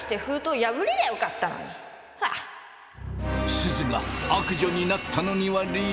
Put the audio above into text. すずが悪女になったのには理由が。